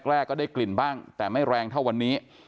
แรกก็ได้กลิ่นบ้างแต่ไม่แรงเท่าวันนี้